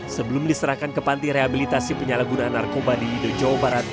sebelum diserahkan ke panti rehabilitasi penyalahgunaan narkoba di wido jawa barat